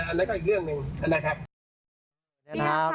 อันนั้นก็อีกเรื่องหนึ่งนะครับ